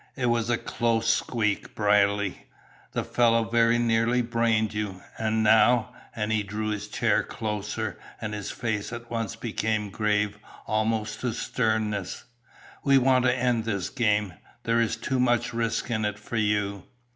"It was a close squeak, Brierly. The fellow very nearly brained you. And now" and he drew his chair closer, and his face at once became grave almost to sternness "we want to end this game; there is too much risk in it for you."